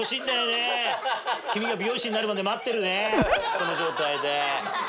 この状態で。